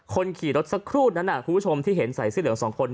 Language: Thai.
คนขี่รถสักครู่นั้นคุณผู้ชมที่เห็นใส่เสื้อเหลืองสองคน